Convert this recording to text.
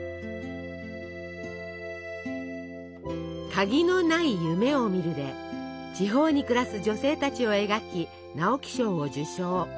「鍵のない夢を見る」で地方に暮らす女性たちを描き直木賞を受賞。